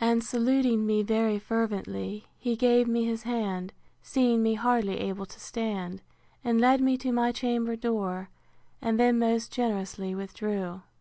And saluting me very fervently, he gave me his hand, seeing me hardly able to stand, and led me to my chamber door, and then most generously withdrew.